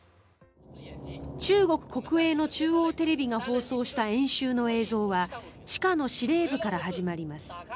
中国国営の中央テレビが放映した軍事演習の映像は地下の司令部から始まります。